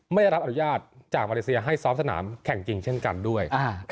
ไม่รับอนุญาตจากมาเลเซียให้ซ้อมสนามแข่งจริงเช่นกันด้วย